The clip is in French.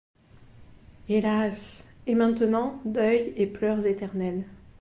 Hélas! et maintenant, deuil et pleurs éternels !